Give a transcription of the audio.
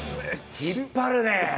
引っ張るね。